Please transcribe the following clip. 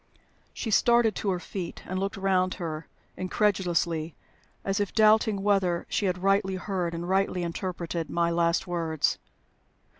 She started to her feet, and looked round her incredulously, as if doubting whether she had rightly heard and rightly interpreted my last words.